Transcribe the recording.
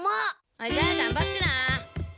それじゃあがんばってな。